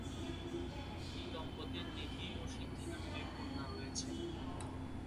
এই দম্পতির নিধি ও সিদ্ধি নামে দুই কন্যা রয়েছে।